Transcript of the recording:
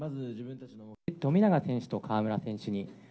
富永選手と河村選手に。